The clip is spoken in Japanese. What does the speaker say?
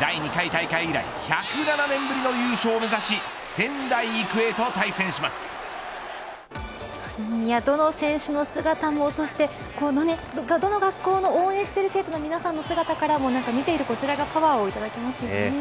第２回大会以来１０７年ぶりの優勝を目指しどの選手の姿も、そしてどの学校の応援している生徒の皆さんの姿からも見ているこちらがパワーをいただきますよね。